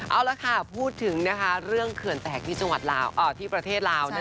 เอาละค่ะพูดถึงเรื่องเขื่อนแตกที่ประเทศลาว